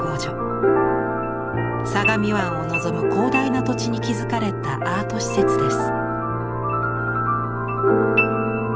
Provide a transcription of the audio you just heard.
相模湾を望む広大な土地に築かれたアート施設です。